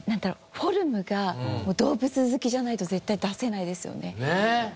フォルムが動物好きじゃないと絶対出せないですよね。